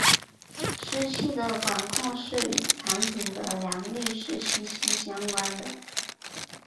湿气的管控是与产品的良率是息息相关的。